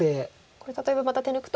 これ例えばまた手抜くと。